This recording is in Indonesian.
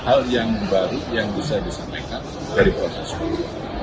hal yang baru yang bisa disampaikan dari proses hukum